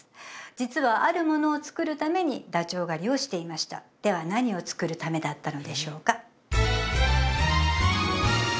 実はあるものを作るためにダチョウ狩りをしていましたでは何を作るためだったのでしょうか？